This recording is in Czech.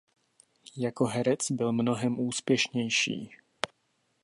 Jako herec byl mnohem úspěšnější.